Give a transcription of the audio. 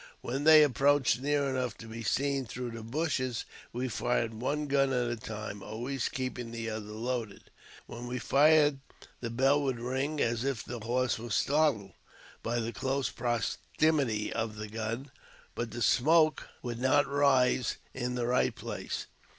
When they approached near enough to be seen, through the bushes, we fired one gun at a time, always keep ing the other loaded. When we fired the bell would ring, as. if the horse was startled by the close proximity of . the gun, but the smoke would not rise in the right place.